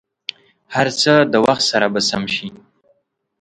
هر څه د وخت سره به سم شي.